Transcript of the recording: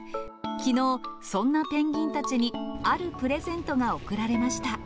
きのう、そんなペンギンたちにあるプレゼントが贈られました。